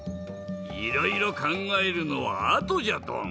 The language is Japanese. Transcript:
いろいろかんがえるのはあとじゃドン。